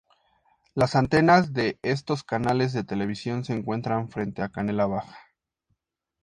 Las antenas de estos canales de televisión se encuentran frente a Canela Baja.